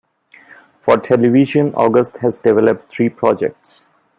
For television, August has developed three projects.